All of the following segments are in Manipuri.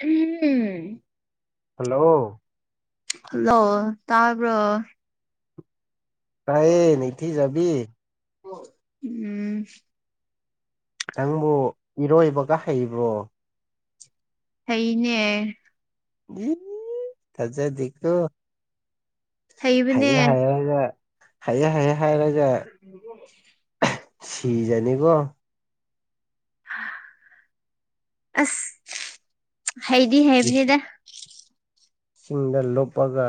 ꯎꯝ ꯍꯜꯂꯣ ꯍꯜꯂꯣ ꯇꯥꯕ꯭ꯔꯣ ꯇꯥꯏꯌꯦ ꯅꯊꯤ ꯆꯕꯤꯤ ꯎꯝ ꯅꯪꯕꯨ ꯏꯔꯣꯏꯕꯒ ꯍꯩꯕ꯭ꯔꯣ ꯊꯩꯅꯦ ꯊꯖꯦꯣ ꯍꯥꯏꯌꯦ ꯍꯩꯕꯅꯦ ꯍꯥꯏ ꯍꯥꯏꯌꯦ ꯍꯥꯏꯌꯦ ꯍꯥꯏ [unintelligible] ꯁꯤꯖꯅꯤꯀꯣ ꯑꯁ ꯍꯩꯗꯤ ꯍꯩꯕꯤꯅꯦꯗ ꯁꯤꯡꯗ ꯂꯨꯞꯄꯒ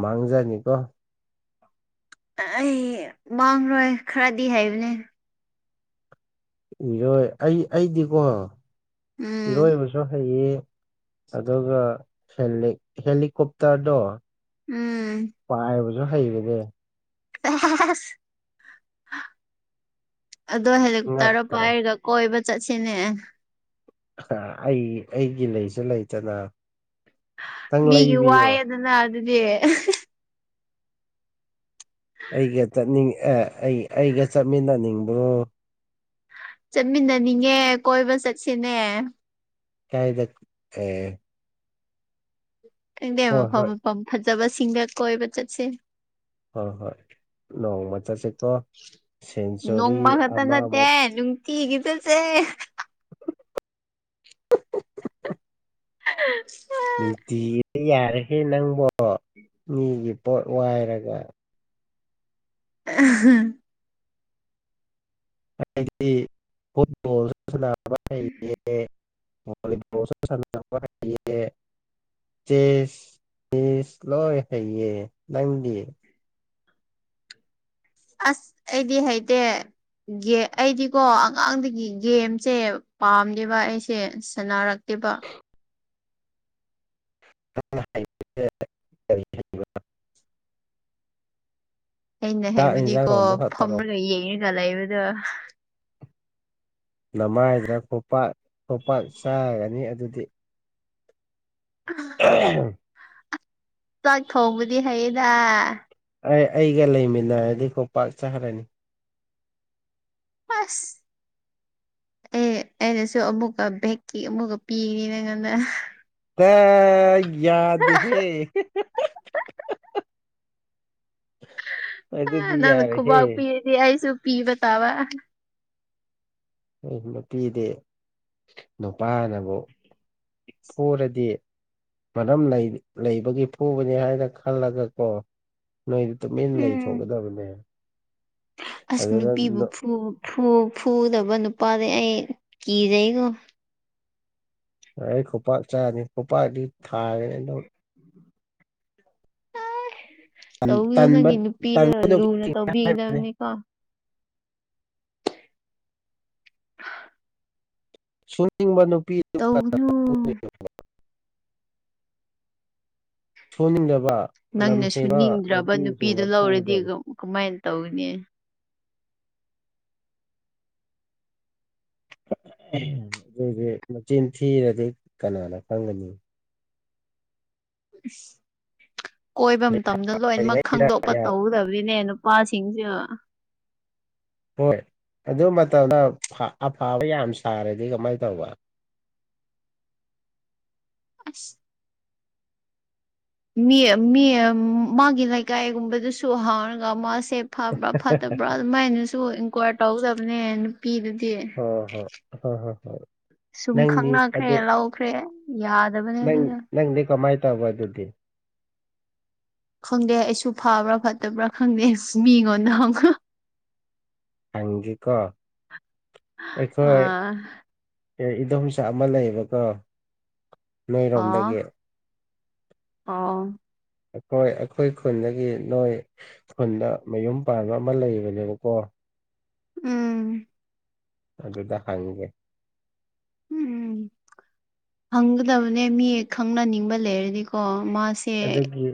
ꯃꯥꯡꯖꯅꯤꯀꯣ ꯑꯩ ꯃꯥꯡꯔꯣꯏ ꯈꯔꯗꯤ ꯍꯥꯏꯕꯅꯦ ꯏꯔꯣꯏ ꯑꯩ ꯑꯩꯗꯤꯀꯣ ꯎꯝ ꯏꯔꯣꯏꯕꯁꯨ ꯍꯩꯌꯦ ꯑꯗꯨꯒ ꯍꯦꯂꯤꯀꯣꯞꯇꯔꯗꯣ ꯎꯝ ꯄꯥꯏꯕꯁꯨ ꯍꯩꯕꯅꯦꯦ ꯑꯗꯣ ꯍꯦꯂꯤꯀꯣꯞꯇꯔ ꯉꯛꯇ꯭ꯔꯥ ꯄꯥꯏꯔꯒ ꯀꯣꯏꯕ ꯆꯠꯁꯤꯅꯦ ꯑꯩ ꯑꯩꯒꯤ ꯂꯩꯁꯨ ꯂꯩꯇꯅ ꯅꯪ ꯃꯤꯒꯤ ꯂꯩꯕꯤꯌꯣ ꯋꯥꯏꯑꯗꯅ ꯑꯗꯨꯗꯤ ꯑꯩꯒ ꯆꯠꯅꯤꯡ ꯑꯦ ꯑꯩ ꯑꯩꯒ ꯆꯠꯃꯤꯟꯅꯅꯤꯡꯕ꯭ꯔꯣ ꯆꯠꯃꯤꯟꯅꯅꯤꯡꯉꯦ ꯀꯣꯏꯕ ꯆꯠꯁꯤꯅꯦ ꯀꯗ ꯑ ꯈꯪꯗꯦ ꯍꯣꯏ ꯃꯐꯝ ꯍꯣꯏ ꯃꯐꯝ ꯐꯖꯕꯁꯤꯡꯒ ꯀꯣꯏꯕ ꯆꯠꯁꯦ ꯍꯣꯏ ꯍꯣꯏ ꯅꯣꯡꯃ ꯆꯠꯁꯤꯀꯣ ꯁꯦꯟꯆꯨꯔꯤ ꯑꯃ ꯑꯃ ꯀꯤꯈꯤꯕꯗꯨꯁꯦ ꯎ ꯅꯨꯡꯇꯤꯕ ꯌꯥꯔꯍꯦ ꯅꯪꯕꯣ ꯃꯤꯒꯤ ꯄꯣꯠ ꯋꯥꯏꯔꯒ ꯑ ꯑꯩꯗꯤꯕ ꯃ ꯆꯦꯁ ꯆꯤꯁ ꯂꯣꯏ ꯍꯩꯌꯦ ꯅꯪꯗꯤ ꯑꯁ ꯑꯩꯗꯤ ꯍꯥꯏꯦꯗ ꯑꯩꯗꯤꯀꯣ ꯑꯉꯥꯡꯗꯒꯤ ꯒꯦꯝꯁꯦ ꯄꯥꯝꯗꯦꯕ ꯑꯩꯁꯦ ꯁꯥꯟꯅꯔꯛꯇꯦꯕ [unintelligible] [unintelligible] [unintelligible] [unintelligible] ꯑꯩꯅ ꯆꯥꯛ ꯏꯟꯖꯥꯡ ꯍꯥꯏꯕꯨꯗꯤꯀꯣ ꯊꯣꯡꯕ ꯈꯛꯇꯔꯣ ꯐꯝꯔꯒ ꯌꯦꯡꯉꯒ ꯂꯩꯕꯗꯣ ꯅꯃꯥꯏꯗꯅ ꯈꯣꯄꯥꯛ ꯈꯣꯄꯥꯛ ꯆꯥꯒꯅꯤ ꯑꯗꯨꯗꯤ ꯑꯍꯝ ꯆꯥꯛ ꯊꯧꯕꯗꯤ ꯍꯩꯌꯦꯗ ꯑꯩ ꯑꯩꯒ ꯂꯩꯃꯤꯟꯅꯔꯗꯤꯀꯣ ꯄꯥꯛ ꯆꯥꯈ꯭ꯔꯅꯤ ꯑꯁ ꯑꯦ ꯑꯩꯅꯁꯨ ꯑꯃꯨꯛꯀ ꯕꯦꯛꯀꯤ ꯑꯃꯨꯛꯀ ꯄꯤꯔꯤꯅꯤ ꯅꯪ ꯉꯟꯅ ꯇ ꯌꯥꯗꯦꯍ‌ꯦ ꯑ ꯑꯗꯨꯗꯤ ꯌꯥꯔꯦ ꯍꯦ ꯌꯥꯏꯁꯨ ꯄꯤꯕꯇꯥꯋꯥ ꯑꯩ ꯅꯨꯄꯤꯗꯤ ꯅꯨꯄꯥꯅꯕꯨ ꯐꯨꯔꯗꯤ ꯃꯔꯝ ꯂꯩꯕꯒꯤ ꯐꯨꯕꯅꯦ ꯍꯥꯏꯅ ꯈꯜꯂꯒ ꯀꯣ ꯅꯣꯏꯗꯤ ꯇꯨꯃꯤꯟꯅ ꯎꯝ ꯂꯩꯊꯣꯛꯒꯗꯕꯅꯦ ꯑꯁ ꯅꯨꯄꯤꯕꯨ ꯐꯨꯗꯕ ꯅꯨꯄꯥꯗꯤꯩ ꯑꯩ ꯀꯤꯖꯩꯉꯣ ꯑꯩ ꯈꯨꯄꯥꯛ ꯆꯥꯔꯅꯤ ꯈꯨꯄꯥꯛꯗꯤ ꯊꯥꯔꯅ ꯇꯧꯗꯣ ꯇꯟꯕ ꯅꯪꯒꯤ ꯅꯨꯄꯤꯗ ꯇꯟꯕ ꯂꯨꯅ ꯅꯨꯄꯤ ꯇꯧꯕꯤꯒꯗꯕꯅꯤꯀꯣ ꯑ ꯁꯨꯅꯤꯡꯕ ꯅꯨꯄꯤ ꯇꯧꯒꯅꯨ ꯁꯨꯡꯅꯤꯡꯗꯕ ꯅꯪꯅ ꯁꯨ ꯅꯤꯡꯗ꯭ꯔꯕ ꯅꯨꯄꯤꯗꯣ ꯂꯧꯔꯗꯤ ꯄꯨꯗꯕ ꯀꯃꯥꯏꯅ ꯇꯧꯒꯅꯤ ꯑꯗꯨꯗꯤ ꯃꯆꯤꯟ ꯊꯤꯔꯗꯤ ꯀꯅꯥꯅ ꯈꯪꯒꯅꯤ ꯀꯣꯏꯕ ꯃꯇꯝꯗ ꯂꯣꯏꯅꯃꯛ ꯂꯩꯔꯤꯉꯩꯗ ꯈꯪꯗꯣꯛꯄ ꯌꯥ ꯇꯧꯗꯕꯤꯅꯦ ꯄꯥ ꯁꯤꯡꯁꯨ ꯍꯣꯏ ꯑꯗꯨ ꯃꯇꯝꯗ ꯑꯐꯕ ꯌꯥꯝ ꯁꯥꯔꯗꯤ ꯀꯃꯥꯏꯅ ꯇꯧꯕ ꯑꯁ ꯃꯤ ꯃꯤ ꯃꯥꯒꯤ ꯂꯩꯀꯥꯏꯒꯨꯝꯕꯗꯨꯁꯨ ꯍꯥꯡꯉꯒ ꯃꯥꯁꯦ ꯐꯕ꯭ꯔꯥ ꯐꯠꯇꯕ꯭ꯔꯥ ꯑꯗꯨꯃꯥꯏꯅꯁꯨ ꯏꯟꯀ꯭ꯋꯥꯏꯔ ꯇꯧꯒꯗꯕꯅꯦꯅ ꯅꯨꯄꯤꯗꯨꯗꯤ ꯍꯣꯏ ꯍꯣꯏ ꯍꯣꯏ ꯍꯣꯏ ꯍꯣꯏ ꯁꯨꯝ ꯅꯪꯗꯤ ꯈꯪꯅꯈ꯭ꯔꯦ ꯑꯗꯨ ꯂꯧꯈ꯭ꯔꯦ ꯌꯥꯗ ꯅꯪ ꯅꯪꯗꯤ ꯀꯃꯥꯏꯅ ꯇꯧꯕ ꯑꯗꯨꯗꯤ ꯈꯪꯗꯦ ꯑꯩꯁꯨ ꯐꯥꯕ꯭ꯔꯥ ꯐꯠꯇꯕ꯭ꯔꯥ ꯈꯪꯗꯦ ꯃꯤꯉꯣꯟꯗꯪ ꯑꯪꯖꯤꯀ ꯑꯩꯈꯣꯏ ꯑꯥ ꯏꯗꯣꯝꯆꯥ ꯑꯃ ꯂꯩꯌꯦꯕꯀꯣ ꯑꯣ ꯅꯔꯣꯝꯗꯒꯦ ꯑꯣ ꯑꯩꯈꯣꯏ ꯑꯩꯈꯣꯏ ꯈꯨꯟꯗꯒꯤ ꯅꯣꯏ ꯈꯨꯨꯟꯗ ꯃꯌꯨꯝ ꯄꯥꯟꯕ ꯑꯃ ꯂꯩꯕꯅꯦꯕꯀꯣ ꯎꯝ ꯑꯗꯨꯗ ꯍꯪꯦ ꯎꯝ ꯎꯝ ꯍꯪꯒꯗꯕꯅꯦ ꯃꯤꯦꯛ ꯈꯪꯅꯅꯤꯡꯕ ꯂꯩꯔꯗꯤꯀꯣ ꯃꯥꯁꯦ ꯁꯦ ꯑꯗꯨꯒꯤ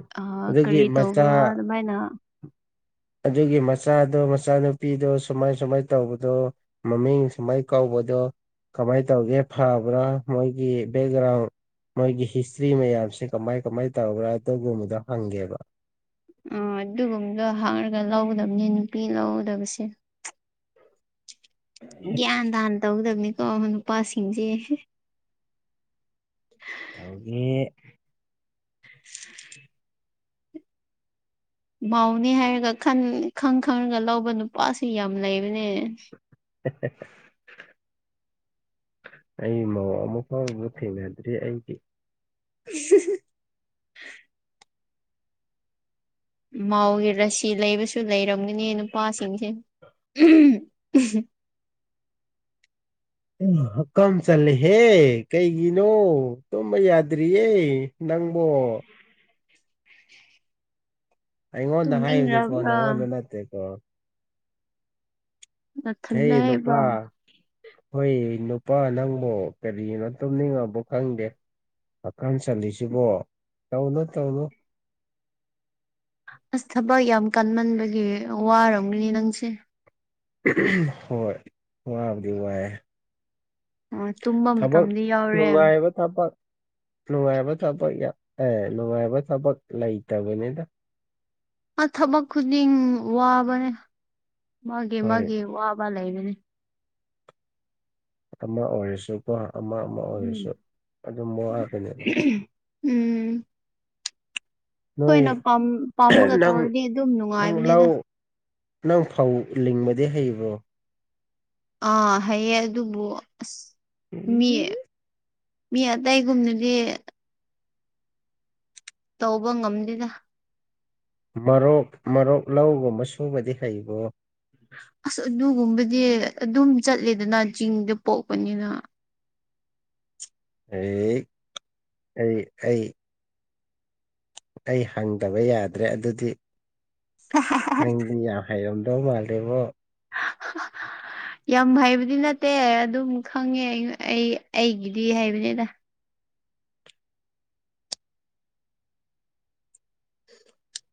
ꯑꯗꯨꯒꯤ ꯀꯔꯤ ꯇꯧꯕ꯭ꯔꯥ ꯃꯆꯥ ꯑꯗꯨꯃꯥꯏꯅ ꯑꯗꯨꯒꯤ ꯃꯆꯥꯗꯣ ꯃꯆꯥꯅꯨꯄꯤꯗꯣ ꯁꯨꯃꯥꯏ ꯁꯨꯃꯥꯏꯅ ꯇꯧꯕꯗꯣ ꯃꯝꯃꯤꯥꯏ ꯀꯧꯕꯗꯣ ꯀꯃꯥꯏꯅ ꯇꯧꯒꯦ ꯐꯕ꯭ꯔꯥ ꯃꯣꯏꯒꯤ ꯕꯦꯛꯒ꯭ꯔꯥꯎꯟ ꯃꯣꯏꯒꯤ ꯍꯤꯁꯇ꯭ꯔꯤ ꯃꯌꯥꯝꯁꯦ ꯀꯃꯥꯏ ꯀꯃꯥꯏꯅ ꯇꯧꯕ꯭ꯔꯥ ꯑꯗꯨꯒꯨꯝꯕꯗꯣ ꯍꯪꯒꯦꯕ ꯑꯣ ꯑꯗꯨꯒꯨꯝꯕꯗꯣ ꯍꯥꯡꯉꯒ ꯂꯧꯒꯗꯕꯅꯤ ꯅꯨꯄꯤ ꯂꯧꯒꯗꯕꯁꯦ ꯒ꯭ꯌꯥꯟ ꯇꯟ ꯇꯧꯒꯗꯕꯅꯤꯀꯣ ꯅꯨꯄꯥꯁꯤꯡꯁꯦ ꯇꯧꯒꯤ [unintelligible] ꯃꯥꯎꯅꯤ ꯍꯥꯏꯔꯒꯟ ꯈꯪ ꯈꯪꯉꯒ ꯂꯧꯕ ꯅꯨꯄꯥꯁꯤ ꯌꯥꯝ ꯂꯩꯕꯅꯦ [unintelligible] ꯑꯩ ꯃ ꯑꯃꯨ ꯐꯥꯎ ꯊꯦꯡꯃꯦꯗ꯭ꯔꯤ ꯑꯩꯗꯤ ꯎ ꯃꯥꯎꯒꯤ ꯔꯁꯤ ꯂꯩꯕꯁꯨ ꯂꯩꯔꯝꯒꯅꯤ ꯅꯨꯄꯥꯁꯤꯡꯁꯦ ꯍꯛꯀꯝ ꯆꯜꯂꯦꯍꯦ ꯀꯩꯒꯤꯅꯣ ꯇꯨꯝꯕ ꯌꯥꯗ꯭ꯔꯤꯌꯦ ꯅꯪꯕꯣ ꯑꯩꯉꯣꯟ ꯍꯥꯏꯅꯤ ꯀꯣꯣꯟꯅ ꯇꯨꯝꯅꯤꯡꯔꯕ꯭ꯔꯥ ꯑꯣ ꯅꯠꯇꯦ ꯀꯣ ꯍꯦ ꯅꯊꯟꯗ ꯅꯨꯄꯥ ꯍꯥꯏꯕ꯭ꯔꯣ ꯍꯣꯏ ꯅꯨꯄꯥ ꯅꯪꯕꯨ ꯀꯔꯤꯅꯣ ꯇꯨꯝꯅꯤꯡꯉꯕ ꯈꯪꯗꯦ ꯀꯥꯝ ꯆꯜꯂꯤꯁꯤꯕꯣ ꯇꯧꯅꯨ ꯇꯧꯅꯨ ꯑꯁ ꯊꯕꯛ ꯌꯥꯝ ꯀꯟꯃꯟꯕꯒꯤ ꯋꯥꯔꯝꯒꯅꯤ ꯅꯪꯁꯦ ꯍꯣꯏ ꯋꯥꯕꯨꯗꯤ ꯋꯥꯏꯑꯦ ꯑꯣ ꯇꯨꯝꯕ ꯃꯇꯝꯗꯤ ꯌꯥꯎꯔꯦ ꯅꯨꯡꯉꯥꯏꯕ ꯊꯕꯛ ꯅꯨꯡꯉꯥꯏꯕ ꯊꯕꯛ ꯑꯦ ꯅꯨꯡꯉꯥꯏꯕ ꯊꯕꯛ ꯂꯩꯇꯕꯅꯤꯗ ꯑ ꯊꯕꯛ ꯈꯨꯗꯤꯡ ꯋꯥꯕꯅꯦ ꯃꯥꯒꯤ ꯍꯣꯏ ꯃꯥꯒꯤ ꯋꯥꯕ ꯂꯩꯕꯅꯤ ꯑꯃ ꯑꯣꯏꯔꯁꯨꯀꯣ ꯑꯃ ꯑꯃ ꯎꯝ ꯑꯣꯏꯔꯁꯨ ꯑꯗꯨꯝ ꯋꯥꯈꯅꯤꯕ ꯎꯝ ꯑꯩꯈꯣꯏꯅ ꯅꯣꯏ ꯄꯥꯝ ꯄꯥꯝꯃꯒ ꯅꯪ ꯇꯧꯔꯗꯤ ꯑꯗꯨꯝ ꯅꯪ ꯅꯨꯡꯉꯥꯏꯕꯅꯤꯗ ꯂꯧ ꯅꯪ ꯐꯧ ꯂꯤꯡꯕꯗꯤ ꯍꯩꯕꯣ ꯑꯥ ꯍꯥꯏꯌꯦ ꯑꯗꯨꯕꯨ ꯑꯁ ꯃꯤ ꯃꯤ ꯑꯇꯩꯒꯨꯝꯅꯗꯤ ꯇꯧꯕ ꯉꯝꯗꯦꯗ ꯃꯔꯣꯛ ꯃꯔꯣꯛ ꯂꯧꯒꯨꯝꯕ ꯁꯨꯕꯗꯤ ꯍꯩꯕꯣ ꯑꯁ ꯑꯗꯨꯒꯨꯝꯕꯗꯤ ꯑꯗꯨꯝ ꯆꯠꯂꯦꯗꯅ ꯆꯤꯡꯗ ꯄꯣꯛꯄꯅꯤꯅ ꯑꯩ ꯑꯩ ꯑꯩ ꯑꯩ ꯍꯪꯗꯕ ꯌꯥꯗ꯭ꯔꯦ ꯑꯗꯨꯗꯤ ꯅꯪꯗꯤ ꯌꯥꯝ ꯍꯥꯏꯔꯝꯗꯧ ꯃꯥꯜꯂꯦꯉꯣ ꯌꯥꯝ ꯍꯩꯕꯗꯤ ꯅꯠꯇꯦ ꯑꯗꯨꯝ ꯈꯪꯉꯦ ꯑꯩ ꯑꯩꯒꯤꯗꯤ ꯍꯩꯕꯅꯤꯗ [unintelligible] [inaudible]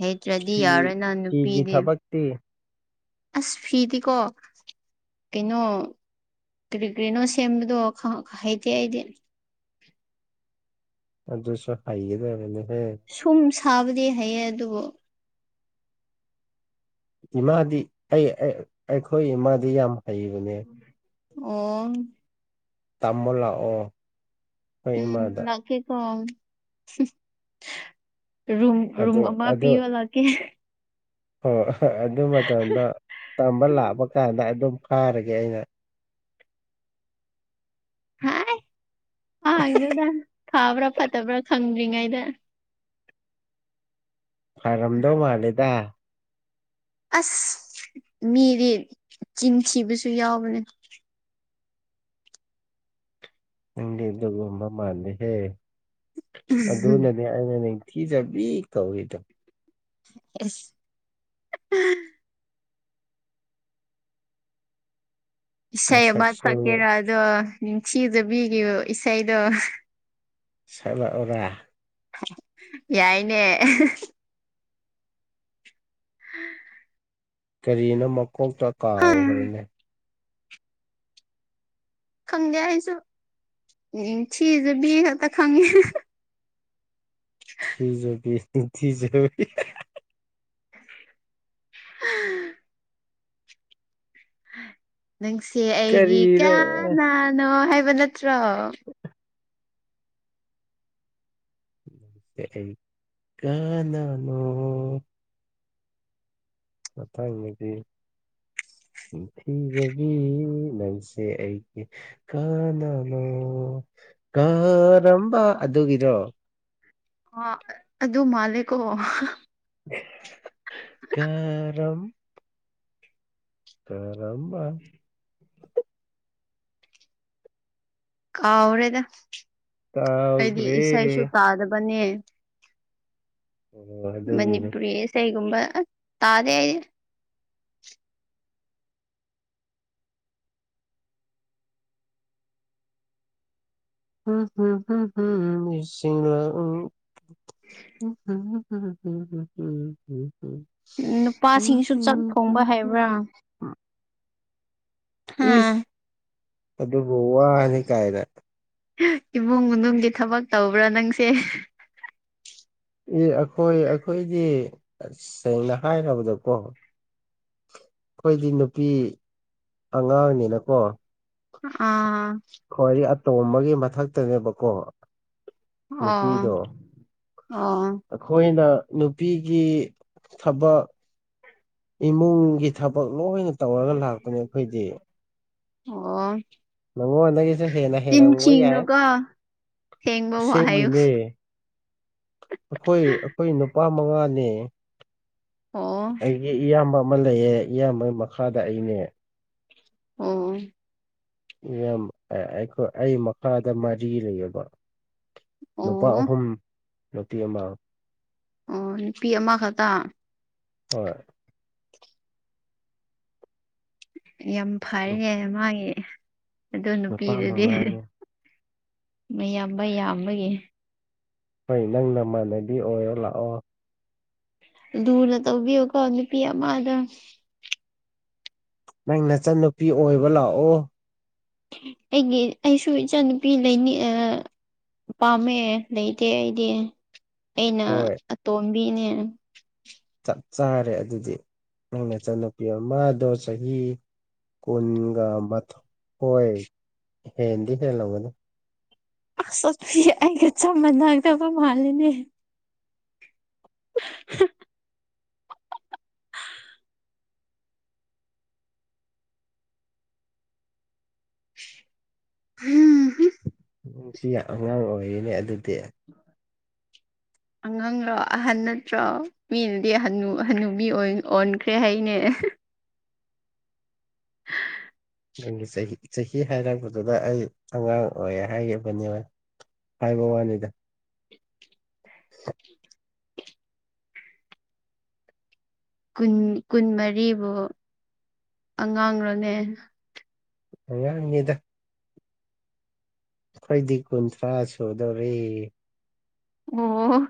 ꯍꯩꯇ꯭ꯔꯗꯤ ꯌꯥꯔꯣꯏꯅ ꯅꯨꯄꯤꯗꯤ ꯇꯦ ꯑꯁ ꯐꯤꯗꯤꯀꯣ ꯀꯩꯅꯣ ꯀꯔꯤ ꯀꯔꯤꯅꯣ ꯁꯦꯝꯕꯗꯣ ꯍꯩꯇꯦ ꯑꯩꯗꯤ ꯑꯗꯨꯗꯁꯨ ꯍꯥꯏꯩꯒꯗꯅꯦ ꯍ ꯁꯨꯝ ꯁꯥꯕꯗꯤ ꯍꯩꯌꯦ ꯑꯗꯨꯕꯨ ꯏꯃꯥꯗꯤ ꯑꯩ ꯑꯩꯈꯣꯏ ꯏꯃꯥꯗꯤ ꯌꯥꯝ ꯍꯩꯕꯅꯦ ꯑꯣ ꯇꯥꯃꯣ ꯂꯥꯛꯑꯣ ꯑꯩꯈꯣꯏ ꯎꯝ ꯏꯃꯥꯗ ꯂꯥꯀꯦꯀꯣ ꯔꯨꯝ ꯔꯨꯝ ꯑꯗꯨ ꯑꯃ ꯄꯤꯌꯣ ꯂꯛꯀꯦ ꯍꯣꯏꯣ ꯍꯣꯏ ꯑꯗꯨ ꯃꯇꯝꯗꯣ ꯇꯝꯕ ꯂꯥꯛꯄ ꯀꯥꯟꯗ ꯑꯗꯨꯝ ꯐꯥꯔꯒꯦ ꯑꯩꯅ ꯍꯥꯏ ꯐꯥꯒꯤꯅꯨꯗ ꯐꯥꯕ꯭ꯔꯥ ꯐꯠꯇꯕ꯭ꯔꯥ ꯈꯪꯗ꯭ꯔꯤꯉꯩꯗ ꯐꯔꯝꯗꯧ ꯃꯥꯜꯂꯦꯗ ꯑꯁ ꯃꯤꯗꯤ ꯆꯤꯟ ꯊꯤꯕꯁꯨ ꯌꯥꯎꯕꯅꯦ ꯅꯪꯗꯤ ꯑꯗꯨꯒꯨꯝꯕ ꯃꯥꯂꯦꯍꯦ ꯑꯗꯨꯅꯗꯤ ꯑꯩꯟꯅꯦ ꯅꯤꯡꯊꯤꯖꯕꯤ ꯀꯧꯔꯤꯗꯣ ꯌꯦꯁ [unintelligible] ꯏꯁꯩ ꯑꯃ ꯅꯁꯛꯁꯨ ꯁꯛꯀꯦꯔꯥ ꯑꯗꯣ ꯅꯤꯡꯊꯤꯖꯕꯤꯒꯤ ꯏꯁꯩꯗꯣ ꯁꯛꯂꯛꯎꯔ ꯌꯥꯏꯅꯦ [unintelligible] ꯀꯔꯤꯅꯣ ꯃꯀꯣꯛꯇ ꯀꯥꯎꯈ꯭ꯔꯦꯅꯦ ꯈꯪꯗꯦ ꯑꯩꯁꯨ ꯅꯤꯡ ꯊꯤꯖꯕꯤ ꯈꯛꯇ ꯈꯪꯉꯤ ꯅꯤꯡꯊꯤꯖꯕꯤ ꯅꯤꯡꯊꯤꯖꯕꯤ ꯑ ꯅꯪꯁꯦ ꯑꯩꯒꯤ ꯀꯔꯤꯅꯣ ꯀꯅꯥꯅꯣ ꯍꯥꯏꯕ ꯅꯠꯇ꯭ꯔꯣ ꯑꯩ ꯀꯅꯅꯣ ꯑꯠꯇ ꯏꯗꯤ ꯊꯤꯖꯕꯤ ꯅꯪꯁꯦ ꯑꯩꯒꯤ ꯀꯅꯥꯅꯣ ꯀꯥꯔꯝꯕ ꯑꯗꯨꯒꯤꯔꯣ ꯑ ꯑꯗꯨ ꯑꯗꯨ ꯃꯥꯂꯀꯣ ꯀꯔꯝ ꯀꯔꯝꯕ ꯀꯥꯎꯔꯦꯗ ꯍꯥꯏꯗꯤ ꯇꯥꯎꯈ꯭ꯔꯦ ꯏꯁꯩꯁꯨ ꯇꯥꯗꯕꯅꯦ ꯑꯣ ꯑꯗꯨꯒꯤꯅꯦ ꯃꯅꯤꯄꯨꯔꯤ ꯏꯁꯩꯒꯨꯝꯕ ꯇꯥꯗ ꯑꯩꯗꯤ ꯎꯝꯝꯝ ꯎ ꯎ ꯅꯨꯄꯥꯁꯤꯡꯁꯨ ꯆꯥꯛ ꯊꯣꯡꯕ ꯍꯩꯕ꯭ꯔꯥ [unintelligible] ꯍꯥ ꯏꯁ ꯑꯗꯨꯕꯨ ꯋꯥꯅꯤ ꯀꯥꯏꯅ ꯏꯃꯨꯡ ꯃꯅꯨꯡꯒꯤ ꯊꯕꯛ ꯇꯧꯕ꯭ꯔꯥ ꯅꯪꯁꯦ ꯑꯦ ꯑꯩꯈꯣꯏ ꯑꯩꯈꯣꯏꯗꯤ ꯁꯦꯡꯅ ꯍꯥꯏꯔꯕꯗꯀꯣ ꯑꯩꯈꯣꯏꯗꯤ ꯅꯨꯄꯤ ꯑꯉꯥꯡꯅꯤꯅꯀꯣ ꯑꯥ ꯈꯋꯥꯣꯏꯗꯤ ꯑꯇꯣꯝꯕꯒꯤ ꯃꯊꯛꯇꯅꯦꯕꯀꯣ ꯑꯣ ꯅꯨꯄꯤꯗꯣ ꯑꯣ ꯑꯩꯈꯣꯏꯅ ꯅꯨꯄꯤꯒꯤ ꯊꯕꯛ ꯏꯃꯨꯡ ꯒꯤ ꯊꯕꯛ ꯂꯣꯏꯅ ꯇꯧꯔꯒ ꯂꯥꯛꯄꯅꯦ ꯑꯩꯈꯣꯏꯗꯤ ꯑꯣ ꯃꯉꯣꯟꯗꯒꯤꯁꯨ ꯍꯦꯟꯅ ꯆꯤꯟ ꯍꯦꯜꯔ ꯎꯕ ꯌꯥꯏ ꯊꯤꯒꯅꯨꯀꯣ ꯁꯦꯡꯕ ꯋꯥ ꯍꯥꯏꯌꯨ ꯑꯁꯦꯡꯒꯤꯅꯦ ꯑꯩꯈꯣꯏ ꯑꯩꯈꯣꯏ ꯅꯨꯄꯥ ꯃꯉꯥꯅꯦ ꯑꯣ ꯑꯩꯒꯤ ꯏꯌꯥꯝꯕ ꯑꯃ ꯂꯩꯌꯦ ꯏꯌꯥꯝꯕꯒꯤ ꯃꯈꯥꯗ ꯑꯩꯅꯦ ꯑ ꯌꯥꯝ ꯑꯩ ꯑꯩ ꯃꯈꯥꯗ ꯃꯔꯤ ꯂꯩꯌꯦꯕ ꯅꯨꯄꯥ ꯑꯣ ꯑꯍꯨꯝ ꯅꯨꯄꯤ ꯑꯃ ꯑꯣ ꯅꯨꯄꯤ ꯑꯃꯈꯛꯇ ꯍꯣꯏ ꯌꯥꯝ ꯐꯔꯦꯅꯦ ꯃꯥꯒꯤ ꯑꯗꯨ ꯅꯨꯄꯥ ꯅꯨꯄꯤꯗꯨꯗꯤ ꯃꯉꯥꯅꯦ ꯃꯌꯥꯝꯕ ꯌꯥꯝꯕꯒꯤ ꯍꯣꯏ ꯅꯪ ꯅꯃꯥꯟꯅꯕꯤ ꯑꯣꯏꯔꯣ ꯂꯥꯛꯑꯣ ꯂꯔꯅ ꯇꯧꯕꯤ ꯀꯅꯤ ꯄꯤꯌꯥꯃꯗ ꯅꯪ ꯅꯆꯟꯅꯨꯄꯤ ꯑꯣꯏꯕ ꯂꯥꯛꯑꯣ ꯑꯩꯒꯤ ꯑꯩꯁꯨ ꯏꯆꯥꯅꯨꯄꯤ ꯂꯩꯅꯤ ꯄꯥꯝꯃꯦ ꯂꯩꯇꯦ ꯑꯩꯗꯤ ꯑꯩꯅ ꯍꯣꯏ ꯑꯇꯣꯝꯕꯤꯅꯦ꯫ ꯆꯞ ꯆꯥꯔꯦ ꯑꯗꯨꯗꯤ ꯅꯪ ꯏꯆꯟꯅꯨꯄꯤ ꯑꯃꯗꯣ ꯆꯍꯤ ꯀꯨꯟꯒ ꯃꯊ ꯍꯣꯏ ꯍꯦꯟꯗꯤ ꯍꯦꯜꯂꯝꯒ ꯁꯛꯁꯤ ꯑꯩꯒ ꯆꯞ ꯃꯅꯥꯗꯕ ꯃꯥꯜꯂꯦꯅꯦ꯫ [unintelligible] [unintelligible] [unintelligible] ꯑꯉꯥꯡ ꯑꯣꯏꯔꯤꯅꯦ ꯑꯗꯨꯗꯤ꯫ [unintelligible] [unintelligible] ꯑꯉꯥꯡꯂꯣ ꯑꯍꯟ ꯅꯠꯇ꯭ꯔꯣ ꯃꯤꯅꯗꯤ ꯍꯅꯨ ꯍꯅꯨꯕꯤ ꯑꯣꯟꯈ꯭ꯔꯦ ꯍꯥꯏꯅꯦ꯫ ꯅꯪꯒꯤ ꯆꯍꯤ ꯆꯍꯤ ꯍꯥꯏꯔꯛꯄꯗꯨꯗ ꯑꯩ ꯑꯉꯥꯡ ꯑꯣꯏ ꯍꯥꯏꯈꯤꯕꯅꯦꯕ꯫ ꯍꯥꯏꯕ ꯋꯥꯅꯤꯗ꯫ ꯀꯨꯟ ꯀꯨꯟ ꯃꯔꯤꯕꯨ ꯑꯉꯥꯡꯂꯅꯦ꯫ ꯑꯉꯥꯡꯅꯤꯗ꯫ ꯑꯩꯗꯤ ꯀꯨꯟꯊ꯭ꯔꯥ ꯁꯨꯗꯧꯔꯦ꯫ ꯑꯣ꯫